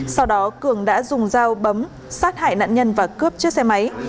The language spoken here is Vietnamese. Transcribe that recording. sau đó cường đã dùng dao bấm sát hại nạn nhân và cướp chiếc xe máy